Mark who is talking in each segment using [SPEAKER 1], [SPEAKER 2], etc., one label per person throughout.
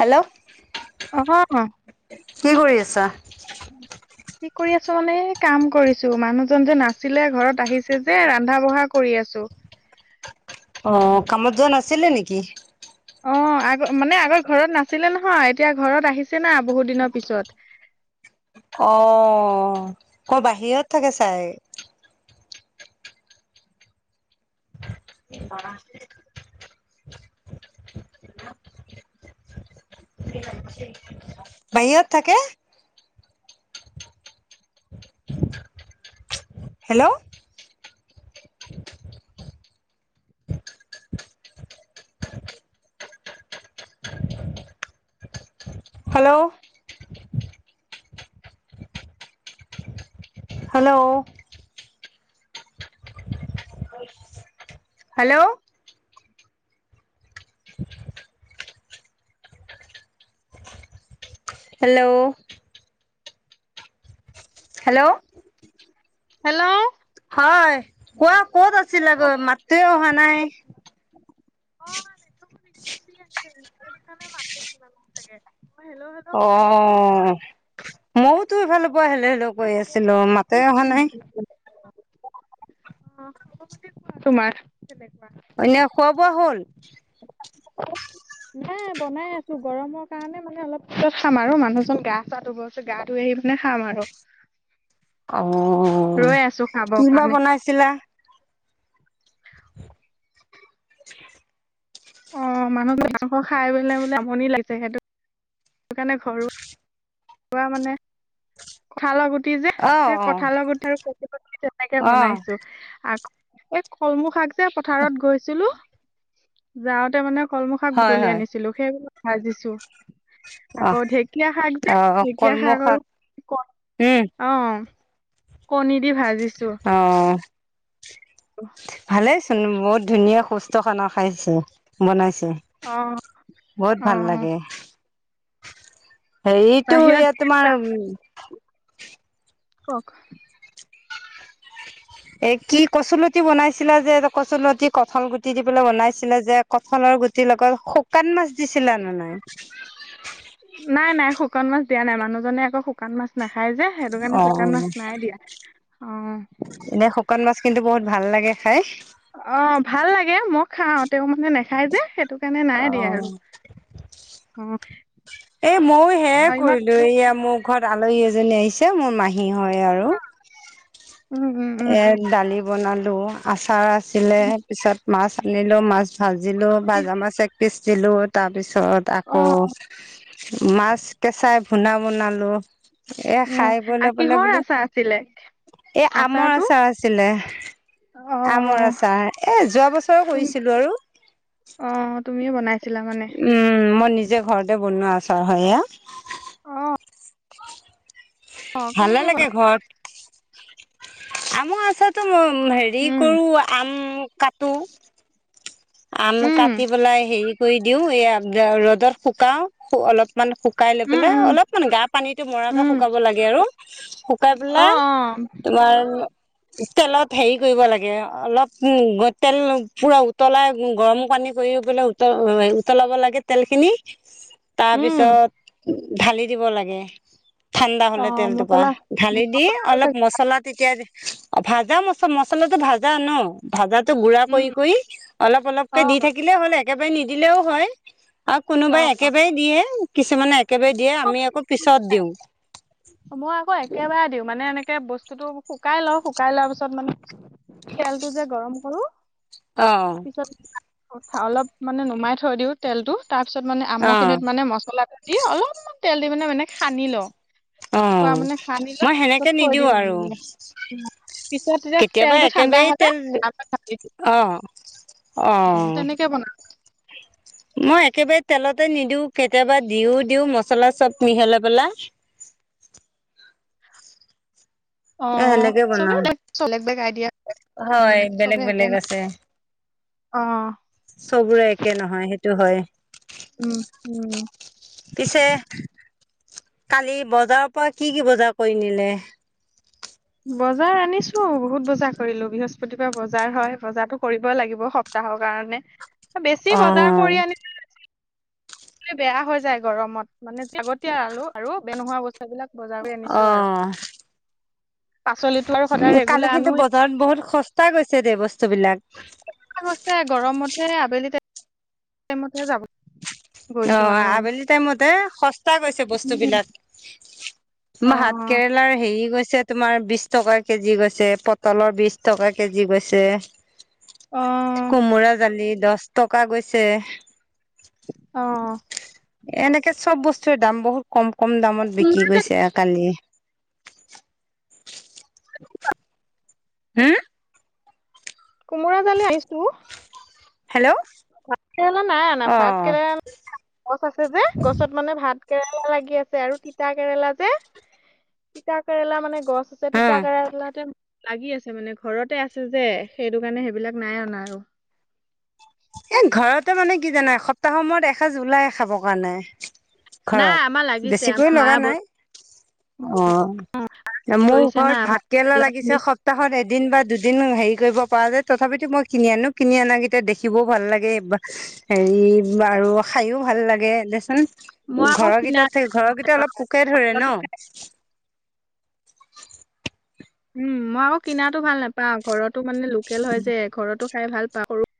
[SPEAKER 1] Hello
[SPEAKER 2] অ কি
[SPEAKER 1] কি কৰি আছা
[SPEAKER 2] কি কৰি আছো মানে কাম কৰিছো মানুহজন যে নাছিলে ঘৰত আহিছে যে ৰন্ধা বঢ়া কৰি আছো
[SPEAKER 1] অ কামত যোৱা নাছিলে নেকি
[SPEAKER 2] অ আগ মানে আগৰ ঘৰত নাছিলে নহয় এতিয়া ঘৰত আহিছে না বহুত দিনৰ পিছত
[SPEAKER 1] অ ক বাহিৰত থাকে চাই প না [unintelligible] বাহিৰত থাকে hello hello hello hello hello hello
[SPEAKER 2] hello
[SPEAKER 1] হয় কোৱা কত আছিলা তই মাতটোয়ে অহা নাই
[SPEAKER 2] অ নেটৱৰ্কটো দিছটাৱ দি আছে সেইটো কাৰণে মাতটো শুনা নাই চাগে মই হেল্ল' হেল্ল'
[SPEAKER 1] অ
[SPEAKER 2] কৈ আছো
[SPEAKER 1] ময়ও তো ইফালৰ পৰা হেল্ল হেল্ল
[SPEAKER 2] এতিয়া
[SPEAKER 1] কৈ
[SPEAKER 2] খবৰ
[SPEAKER 1] আছিলো মাতে অহা নাই
[SPEAKER 2] পাতি নাছিলা। তোমাৰ
[SPEAKER 1] এনে খোৱা বোৱা হ'ল
[SPEAKER 2] নাই বনাই আছো গৰমৰ কাৰণে মানে অলপ পিছত খাম আৰু মানুহজন গা চা ধুব গৈছে গা ধুই আহি মিনে খাম আৰু
[SPEAKER 1] অ
[SPEAKER 2] ৰৈ আছো খাবৰ
[SPEAKER 1] কি বা
[SPEAKER 2] কাৰণে
[SPEAKER 1] বনাইছিলা [unintelligible]
[SPEAKER 2] অ মানুহ মাংস খাই পেলাই বোলে আমনি লাগিছে সেইটো সেই কাৰণে ঘৰুৱা ঘৰুৱা মানে কঁঠালৰ গু গুটি
[SPEAKER 1] অ
[SPEAKER 2] সেই
[SPEAKER 1] অ
[SPEAKER 2] কঠালৰ লগত আৰু তেনেকে
[SPEAKER 1] অ
[SPEAKER 2] বনাইছো আকৌ এই কলমু শাক যে পথাৰত গৈছিলো যাওঁতে মানে কলমু শাক
[SPEAKER 1] হয়
[SPEAKER 2] বুটলি
[SPEAKER 1] হয়
[SPEAKER 2] আনিছিলো সেইবিলাক ভাজিছো
[SPEAKER 1] অ
[SPEAKER 2] আকৌ ঢেকীয়া শাক যে
[SPEAKER 1] অ',
[SPEAKER 2] ঢেকীয়া
[SPEAKER 1] কলমৌ
[SPEAKER 2] শাক আৰু
[SPEAKER 1] উম
[SPEAKER 2] অ কণী দি ভাজিছে
[SPEAKER 1] অ
[SPEAKER 2] অ
[SPEAKER 1] ভালেইচোন বহুত ধুনীয়া সুস্থ খানা খাইছে বনাইছে
[SPEAKER 2] অ
[SPEAKER 1] বহুত
[SPEAKER 2] অ
[SPEAKER 1] ভাল লাগে এইটো
[SPEAKER 2] বাহিৰত
[SPEAKER 1] ইয়াত তোমাৰ
[SPEAKER 2] দিয়া- কওক
[SPEAKER 1] এ কি কচুলতি বনাইছিলা যে কচুলতি কঠাল গুটি দি পেলাই বনাইছিলা যে কঠালৰ [unintelligible] গুটিৰ লগত শুকান মাছ দিছিলা ন নহ
[SPEAKER 2] নাই নাই শুকান মাছ দিয়া নাই মানুহনে আক শুকান মাছ নাখায় যে সেইটো কাৰণে
[SPEAKER 1] অ
[SPEAKER 2] শুকান মাছ নাই দিয়া অ
[SPEAKER 1] এনে শুকান মাছ কিন্তু বহুত ভাল লাগে খাই
[SPEAKER 2] অ ভাল লাগে মই খাও তেওঁ মানে নেখায় যে সেইটো কাৰণে নাই
[SPEAKER 1] অ
[SPEAKER 2] দিয়া আৰু অ
[SPEAKER 1] এই ময়ো সেয়ায়
[SPEAKER 2] আৰু ইমান
[SPEAKER 1] কৰিলো এইয়া মোক ঘৰত আলহী এজনী আহিছে মোৰ মাহী হয় আৰু
[SPEAKER 2] উম উম উম
[SPEAKER 1] এ দালি বনালো আচাৰ আছিলে
[SPEAKER 2] উম,
[SPEAKER 1] পিছত মাছ আনিলো মাছ ভাজিলো
[SPEAKER 2] কি
[SPEAKER 1] ভাজা মাছ এক পিছ দিলো তাৰ পিছত তাৰ
[SPEAKER 2] অ'
[SPEAKER 1] পিছত আকৌ মাছ কেঁচাই ভূনা বনালো এ খাই বৈ
[SPEAKER 2] অ'
[SPEAKER 1] লৈ পেলাই
[SPEAKER 2] কিহৰ
[SPEAKER 1] বোলো
[SPEAKER 2] আচাৰ আছিলে
[SPEAKER 1] এ আমৰ
[SPEAKER 2] আচাৰটো
[SPEAKER 1] আচাৰ আছিলে আমৰ
[SPEAKER 2] অ'
[SPEAKER 1] আচাৰ এ যোৱা বছৰো
[SPEAKER 2] তুমি
[SPEAKER 1] কৰিছিলো আৰু
[SPEAKER 2] অ তুমিয়ে বনাইছিলা মানে
[SPEAKER 1] উম মই নিজে ঘৰতে বনোৱা আছা আৰু হয় এইয়া
[SPEAKER 2] অ অ'
[SPEAKER 1] ভালে
[SPEAKER 2] কেনেকে
[SPEAKER 1] লাগে
[SPEAKER 2] বনা
[SPEAKER 1] ঘৰত আমৰ আছাৰটো মই হেৰি
[SPEAKER 2] উম
[SPEAKER 1] কৰো আম কাটো আম
[SPEAKER 2] উম
[SPEAKER 1] কাটি পেলাই হেৰি কৰি দিও এ ৰ'দত [unintelligible] মানে শুকাই লৈ
[SPEAKER 2] উম
[SPEAKER 1] পেলাই
[SPEAKER 2] উম
[SPEAKER 1] অলপ মানে গা পানীটো মৰাকে
[SPEAKER 2] উম
[SPEAKER 1] শুকাব লাগে আৰু শুকাই
[SPEAKER 2] অ'
[SPEAKER 1] পেলাই
[SPEAKER 2] অ'
[SPEAKER 1] তোমাৰ তেলত হেৰি কৰিব লাগে অলপ তেল পুৰা উতলাই গৰম পানী কৰি পাই উত উতলাব লাগে তেলখিনি
[SPEAKER 2] উম
[SPEAKER 1] তাৰপিছত ঢালি দিব লাগে ঠাণ্ডা হলে
[SPEAKER 2] অ'
[SPEAKER 1] তেলটোৰ পা
[SPEAKER 2] মছলা
[SPEAKER 1] ঢালি দি
[SPEAKER 2] মছলাটো
[SPEAKER 1] অলপ
[SPEAKER 2] চাগে
[SPEAKER 1] মছলা তেতিয়া ভাজা মচ মছলাটো ভাজা ন ভাজাতো গুড়া
[SPEAKER 2] উম
[SPEAKER 1] কৰি কৰি অলপ অলপকে দি
[SPEAKER 2] অ'
[SPEAKER 1] থাকিলে হ'ল একেবাৰে নিদিলেও হয় আৰু কোনোবাই
[SPEAKER 2] অ'
[SPEAKER 1] একেবাৰে দিয়ে কিছুমানে একেবাৰে দিয়ে আমি আকৌ পিছত দিওঁ
[SPEAKER 2] মই আকৌ একেবাৰে দিওঁ মানে এনেকে বস্তুতটো শুকাই লওঁ শুকাই লোৱাৰ পিছত মানে তেলটো যে গৰম কৰো
[SPEAKER 1] আহ
[SPEAKER 2] কঠা অলপ মানে নুমাই থৈ দিওঁ তেলটো [unintelligible] তাৰপিছত মানে
[SPEAKER 1] অ
[SPEAKER 2] আমৰখিনিত মানে মছলাটো দি অলপমান তেল দি মানে মানে সানি লওঁ
[SPEAKER 1] অ
[SPEAKER 2] খোৱা মানে খান ল
[SPEAKER 1] মই
[SPEAKER 2] তাৰপিছত
[SPEAKER 1] সেনেকে
[SPEAKER 2] থৈ
[SPEAKER 1] নিদিওঁ
[SPEAKER 2] দিওঁ
[SPEAKER 1] আৰু
[SPEAKER 2] পিছত এতিয়া
[SPEAKER 1] কেতিয়াবা
[SPEAKER 2] তেলটো ঠাণ্ডা
[SPEAKER 1] একেবাৰে
[SPEAKER 2] হতে
[SPEAKER 1] তেল
[SPEAKER 2] [unintelligible]
[SPEAKER 1] অ অ
[SPEAKER 2] তেনেকে বনাম
[SPEAKER 1] মই একেবাৰে তেলতে নিদিও কেতিয়াবা দিও দিও মছলা চব মিহলাই পেলা
[SPEAKER 2] অ
[SPEAKER 1] এ সেনেকে
[SPEAKER 2] চবেই
[SPEAKER 1] বনাও
[SPEAKER 2] চলে বেগ আইডিয়া
[SPEAKER 1] হয় বেলেগ
[SPEAKER 2] চবে একে
[SPEAKER 1] বেলেগ
[SPEAKER 2] ন
[SPEAKER 1] আছে
[SPEAKER 2] অ
[SPEAKER 1] চবৰে একে নহয় সেইটো হয়
[SPEAKER 2] উম উম
[SPEAKER 1] পিছে কালি বজাৰৰ পৰা কি কি বজাৰ কৰি নিলে
[SPEAKER 2] বজাৰ আনিছো বহুত বজাৰ কৰিলো বৃহস্পতি পৰা বজাৰ হয় বজাতো কৰিবই লাগিব সপ্তাহ ৰ কাৰণে বেছি বজাৰ
[SPEAKER 1] অ'
[SPEAKER 2] কৰি আনি বেয়া হৈ যায় গৰমত মানে আগতীয়া আলো আৰু বেয়া নোহোৱা বস্তু সেইবিলাক বজাৰ কৰি আনিছো আৰু
[SPEAKER 1] অ',
[SPEAKER 2] পাচলিতো আৰু সদায়
[SPEAKER 1] কালি
[SPEAKER 2] ৰেগুলাৰ
[SPEAKER 1] কিন্তু
[SPEAKER 2] আনোৱে
[SPEAKER 1] বজাৰত বহুত সস্তা গৈছে দে বস্তু বিলাক
[SPEAKER 2] ছে গৰম মতে আবেলিতে সেইমতে যাব
[SPEAKER 1] অ
[SPEAKER 2] গৈছো মানে মই
[SPEAKER 1] আবেলি টাইমতে সস্তা গৈছে বস্তু
[SPEAKER 2] উম,
[SPEAKER 1] বিলাক
[SPEAKER 2] অ
[SPEAKER 1] ভাত কেৰেলাৰ হেৰি গৈছে ছে তুমাৰ বিশ টকা কেজি গৈছে পটলৰ বিশ টকা কেজি গৈছে
[SPEAKER 2] অ
[SPEAKER 1] কোমোৰা জালি দহ টকা গৈছে
[SPEAKER 2] অ
[SPEAKER 1] এনেকে চব বস্তু দাম বহুত কম কম দামত বিকি গৈছে কালি হো
[SPEAKER 2] কোমোৰা জালে আহিছো
[SPEAKER 1] হেল্ল'
[SPEAKER 2] ভাত কেৰেলা নাই আনা ভাত
[SPEAKER 1] অ'
[SPEAKER 2] কেৰেলা গছ আছে যে গছত মানে ভাত কেৰেলা লাগি আছে আৰু তিতা কেৰেলা যে তিতা কেৰেলা মানে গছ ছে
[SPEAKER 1] হা
[SPEAKER 2] তিতা কেৰেলাতে লাগি আছে মানে ঘৰতে আছে যে সেইটো কাৰণে সেইবিলাক নাই অনা আৰু
[SPEAKER 1] এ ঘৰতে মানে কি জানাই সপ্তাহৰ সময়ত এসাঁজ ওলাই খাব কাৰণাই
[SPEAKER 2] নাই
[SPEAKER 1] ঘৰত
[SPEAKER 2] আমাৰ লাগিছে
[SPEAKER 1] বেছিকৈ
[SPEAKER 2] আমাৰ মা
[SPEAKER 1] লগা
[SPEAKER 2] বন
[SPEAKER 1] নাই অ
[SPEAKER 2] হেৰি
[SPEAKER 1] মোৰ
[SPEAKER 2] কৰিছে না
[SPEAKER 1] ঘৰত ভাত কেৰেলা
[SPEAKER 2] ভাতকেৰেলা
[SPEAKER 1] লাগিছে
[SPEAKER 2] তিনি
[SPEAKER 1] সপ্তাহত এদিন বা দুদিন হেৰি কৰিব পৰা যায় তথাপিতো মই কিনি আনো কিনি আনা কেটা দেখি দেখিবও ভাল লাগে বা হেৰি আৰু খায়ওঁ ভাল লাগে দেচোন
[SPEAKER 2] মই আকৌ কিনা
[SPEAKER 1] ঘৰকেইটাত থ ঘৰৰ কিটা অলপ পোকে ধৰে
[SPEAKER 2] ঘৰতো
[SPEAKER 1] ন
[SPEAKER 2] খাই
[SPEAKER 1] [unintelligible]
[SPEAKER 2] উম মই আকৌ কিনাটো ভাল নাপাওঁ ঘৰতো মানে লোকেল হয় যে ঘৰতো খাই ভাল পাওঁ সৰু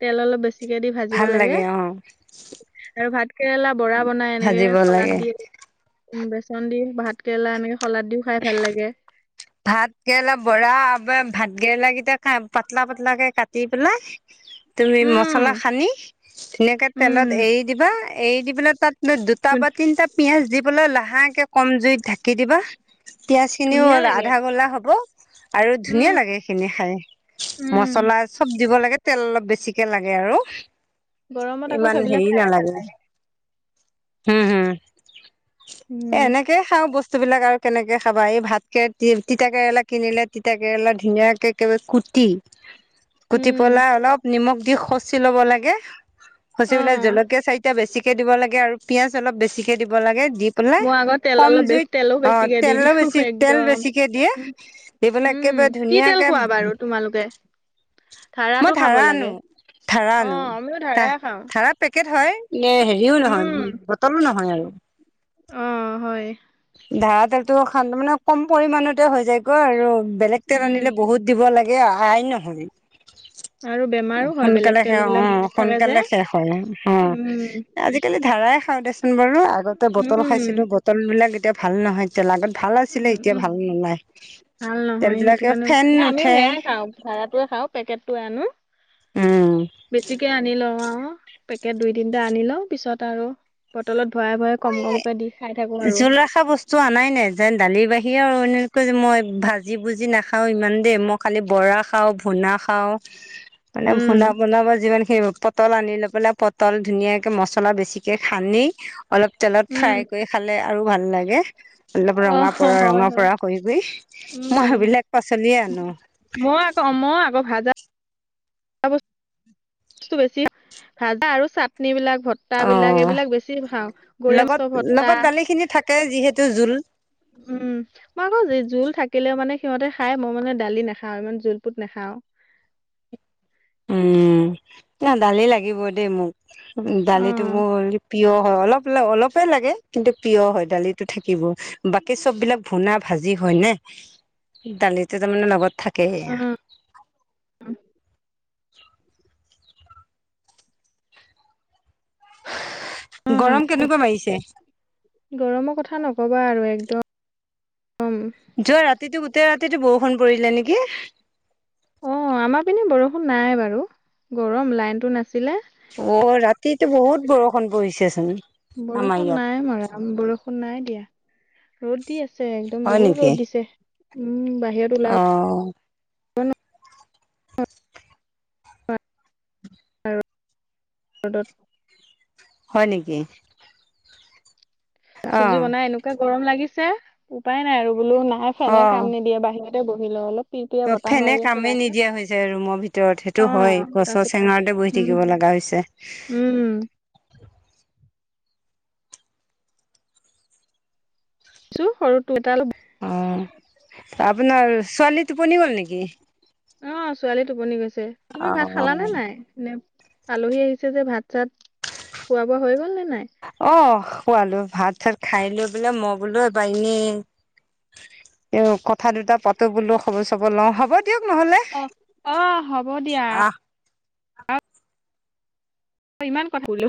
[SPEAKER 2] তেল অলপ বেছিকে দি ভাজিব
[SPEAKER 1] ভাল
[SPEAKER 2] লাগে
[SPEAKER 1] অ
[SPEAKER 2] আৰু ভাত কেৰেলা বৰা বনাই এনেকে
[SPEAKER 1] ভাজিব
[SPEAKER 2] শলাদ
[SPEAKER 1] লাগে
[SPEAKER 2] দি বেচন দি ভাত কেৰেলা এনেকে শলাদ দিও খাই ভাল লাগে।
[SPEAKER 1] ভাত কেৰেলা বৰা আব ভাত কেৰেলা কেইটা খাই পাতলা পাতলা কে কাটি পেলাই। তুমি মছলা
[SPEAKER 2] উম
[SPEAKER 1] সানি ধুনীয়াকে
[SPEAKER 2] উম
[SPEAKER 1] তেলত এৰি দিবা এৰি দি পেলাই তাত দুটা
[SPEAKER 2] ধু
[SPEAKER 1] ব তিনিটা পিয়াজ দি পেলাই লাহে কে কম জুইত ধাকি দিবা পিয়াজ খিনিও
[SPEAKER 2] ধুনীয়া লাগে
[SPEAKER 1] আধা গলা হব আৰু
[SPEAKER 2] উম
[SPEAKER 1] ধুনীয়া লাগে এই খিনি খাই
[SPEAKER 2] উম
[SPEAKER 1] মছলা চব দিব লাগে। তেল অলপ বেছিকে লাগে আৰু
[SPEAKER 2] গৰমত আকৌ
[SPEAKER 1] ইমান
[SPEAKER 2] সেইবিলাক
[SPEAKER 1] হেৰি
[SPEAKER 2] খাই
[SPEAKER 1] নালাগে হম হম এ
[SPEAKER 2] উম
[SPEAKER 1] এনেকেই খাওঁ বস্তু বস্তুবিলাক আৰু কেনেকৈ খাবা এই ভাত কে তি তিতা কেৰেলা কিনিলে তিতা কেৰেলা ধুনীয়াকে একবাৰে কুটি কুটি
[SPEAKER 2] উম
[SPEAKER 1] পলাই অলপ নিমখ দি খচি ল'ব লাগে
[SPEAKER 2] অ
[SPEAKER 1] খচিপেলাই জলকীয়া চাৰিটা বেছিকে দিব লাগে আৰু পিয়াজ অলপ বেছিকে দিব লাগে দি পেলাই
[SPEAKER 2] মই আগত তেল
[SPEAKER 1] কম
[SPEAKER 2] অলপ বেছি
[SPEAKER 1] জুইত
[SPEAKER 2] তেলো
[SPEAKER 1] অ
[SPEAKER 2] বেছিকে দি
[SPEAKER 1] তেলো
[SPEAKER 2] দিওঁ
[SPEAKER 1] বেছি তেল
[SPEAKER 2] একদম
[SPEAKER 1] বেছি দিয়ে
[SPEAKER 2] উম
[SPEAKER 1] দি পেলাই
[SPEAKER 2] উম
[SPEAKER 1] একেবাৰে
[SPEAKER 2] কি তেল
[SPEAKER 1] ধুনীয়াকে
[SPEAKER 2] খোৱা বাৰু তোমালোকে
[SPEAKER 1] মই
[SPEAKER 2] ধাৰাটো খাব
[SPEAKER 1] ধাৰা আনো
[SPEAKER 2] লাগে।
[SPEAKER 1] ধাৰা
[SPEAKER 2] অ
[SPEAKER 1] আনো
[SPEAKER 2] আমিও ধাৰাই খাওঁ
[SPEAKER 1] ধাৰা পে কট হয় নে হেৰিও
[SPEAKER 2] উম।
[SPEAKER 1] নহয় বটলো নহয় আৰু
[SPEAKER 2] অ হয়
[SPEAKER 1] ধাৰা তেলতো খালে মানে কম পৰিমমানতে হৈ যায়গৈ আৰু বেলেগ তেল
[SPEAKER 2] উম।
[SPEAKER 1] আনিলে বহুত দিব লাগে। আগে আহাই নহয়
[SPEAKER 2] আৰু বেমাৰো
[SPEAKER 1] [unintelligible]
[SPEAKER 2] হয় বেলেগ
[SPEAKER 1] সোনকালে
[SPEAKER 2] তেল
[SPEAKER 1] শেষ অ
[SPEAKER 2] বিলাক মিক্স থাকে যে
[SPEAKER 1] সোনকালে শেষ হয় অ
[SPEAKER 2] উম।
[SPEAKER 1] আজিকালিত ধাৰাই খাওঁ দেচোন বাৰু আগতে বটল খাইছিলো
[SPEAKER 2] উম।
[SPEAKER 1] বটল বিলাক এতিয়া ভাল নহয় তেল আগ ভাল আছিলে
[SPEAKER 2] উম
[SPEAKER 1] এতিয়া
[SPEAKER 2] উম
[SPEAKER 1] ভাল নাই
[SPEAKER 2] ভাল নহয় সেইটো কাৰণে এ আমিও সেয়াই খাওঁ ধাৰা খাওঁ পেকেটটোৱে আনো।
[SPEAKER 1] উম
[SPEAKER 2] বেছিকে আনি লওঁ অহ পেকেট দুই তিনিটা আনি লওঁ পিছত আৰু বটলত ভৰাই ভৰাই কম কমকে দি খাই থাকো
[SPEAKER 1] এই
[SPEAKER 2] আৰু
[SPEAKER 1] জোল ৰখা বস্তু অনাই যেন দালিৰ বাহিৰে আৰু এনেকৈ যে মই ভাজি ভুজি নাখাওঁ ইমান দে মই খালি বৰা খাওঁ ভোনা খাওঁ খাওঁ মানে ভুনা
[SPEAKER 2] উম।
[SPEAKER 1] বন বা যিমান সেইবোৰ পটল আনি লৈ পেলাই পটল ধুনীয়াকে মচলা বেছিকে হানি। অলপ তেলত
[SPEAKER 2] উম
[SPEAKER 1] ফ্ৰাই কৰি খালে আৰু ভাল লাগে। অলপ
[SPEAKER 2] অ
[SPEAKER 1] ৰঙা পৰা
[SPEAKER 2] হয়
[SPEAKER 1] ৰঙা
[SPEAKER 2] হয়
[SPEAKER 1] পৰা কৰি কৰি মই
[SPEAKER 2] উম।
[SPEAKER 1] সেইবিলাক পাচলিয়ে আনো
[SPEAKER 2] মই আকৌ মই আকৌ ভাজা বস্তু বেছি ভাজা আৰু চাটনি বিলাক ভত্তা বিলাক
[SPEAKER 1] অ
[SPEAKER 2] এইবিলাক বেছি খাওঁ গৰৈ মাছৰ ভত্তা
[SPEAKER 1] তাকে যিহেতু জোল
[SPEAKER 2] উম মই আকৌ জোল থাকিলেও মানে সিহঁতে খাই মই মানে দালি নাখাওঁ ইমান জোল পোত নাখাওঁ
[SPEAKER 1] [unintelligible] উম দালি লাগিব দেই মোক
[SPEAKER 2] অ
[SPEAKER 1] দালিতটো মোৰ প্ৰিয় হয় অলপ অলপ লাগে কিন্তু প্ৰিয়ৰ হয় দালিটো থাকিব বাকী চব বিলাক ভুনা ভাজি হয় হয় নে দালিটো তাৰ মানে লগত থাকিবই
[SPEAKER 2] উম
[SPEAKER 1] [inaudible] [unintelligible]
[SPEAKER 2] উম
[SPEAKER 1] গৰম কেনেকুৱা মাৰিছে
[SPEAKER 2] গৰমৰ কথা নকবা আৰু একদম
[SPEAKER 1] যোৱা ৰাতিটো গোটেই ৰাতিটো বৰষুণ পৰিলে নেকি
[SPEAKER 2] অহ আমাৰ পিনে বৰষুণ নাই বাৰু গৰম লাইনতটো নাছিলে
[SPEAKER 1] অহ ৰাতিতো বহুত বৰষুণ পৰিছেচোন। আমাৰ
[SPEAKER 2] বৰষুণ
[SPEAKER 1] ইয়াত
[SPEAKER 2] নাই মৰা বৰষুণ নাই দিয়া ৰ'দ দি আছে। একদম
[SPEAKER 1] হয়
[SPEAKER 2] বহুত
[SPEAKER 1] নেকি
[SPEAKER 2] ৰ'দ দিছে। উম বাহিৰত ওলাব
[SPEAKER 1] অ।
[SPEAKER 2] [unintelligible] [unintelligible]
[SPEAKER 1] হয় নেকি? অ
[SPEAKER 2] চব্জি বনাই এনেকুৱা গৰম লাগে ছে। উপায় নাই আৰু বোলো নাই ফেনে কাম নিদিয়ে বাহিৰতে বহি লও অলপ। পিৰপিৰা
[SPEAKER 1] তো
[SPEAKER 2] বতাহ
[SPEAKER 1] ফেনে
[SPEAKER 2] মাৰি আছে
[SPEAKER 1] কামেই
[SPEAKER 2] বাহিৰত
[SPEAKER 1] নিদিয়া হৈ যায় আৰু ৰুমৰ ভিতৰত।
[SPEAKER 2] অ
[SPEAKER 1] সেইটো হয় গছৰ
[SPEAKER 2] তাৰপিছত
[SPEAKER 1] চেঙাৰতে বহি
[SPEAKER 2] উম
[SPEAKER 1] থাকিব লগা হৈছে।
[SPEAKER 2] উম চো সৰুটো এটা লম।
[SPEAKER 1] অহ আপোনাৰ ছোৱালী টোপনি গ'ল নেকি?
[SPEAKER 2] অহ ছোৱালী টোপনি গৈছে। তুমি ভাত খালা নে নাই? নে আলহী আহিছে যে, ভাত চাত খোৱা বোৱা হৈ গ'ল নে নাই?
[SPEAKER 1] অ খোৱালো। ভাত চাত খাই লৈ বোলে মই বোলো এবা এনে এ কথা দুটা পাতো বোলো খবৰ চবৰ লওঁ। হ'ব দিয়ক নহলে।
[SPEAKER 2] অ অ হ'ব দিয়া
[SPEAKER 1] অহ।
[SPEAKER 2] অহ ইমান কথা বোলো।